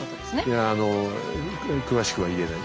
いやあの詳しくは言えない。